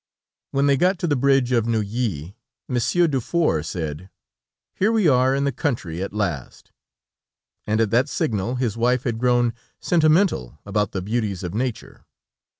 When they got to the bridge of Neuilly, Monsieur Dufour said: "Here we are in the country at last!" and at that signal, his wife had grown sentimental about the beauties of nature.